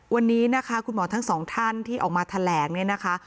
วันนี้นะคะคุณหมอทั้งสองท่านที่ออกมาแถลงเนี่ยนะคะ